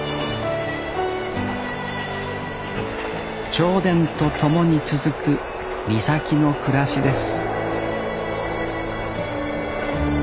銚電と共に続く岬の暮らしです